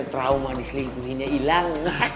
biar trauma diselingkuhinnya ilang